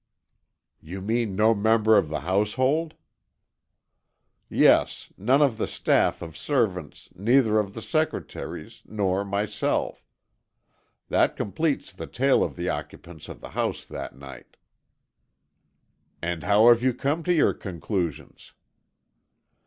"You mean no member of the household?" "Yes, none of the staff of servants, neither of the secretaries, nor myself. That completes the tale of the occupants of the house that night." "And how have you come to your conclusions?"